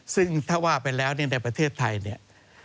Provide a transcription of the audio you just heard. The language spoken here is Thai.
ซึ่งถ้าว่าไปแล้วในประเทศไทย